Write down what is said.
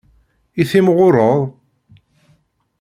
I timɣureḍ?